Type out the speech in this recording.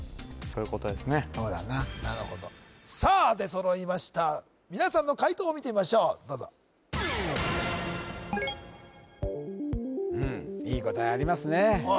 そうだななるほどさあ出そろいました皆さんの解答を見てみましょうどうぞうんいい答えありますね